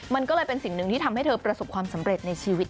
มันก็เลยเป็นสิ่งหนึ่งที่ทำให้เธอประสบความสำเร็จในชีวิต